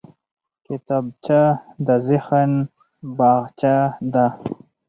کتابچه د ذهن باغچه ده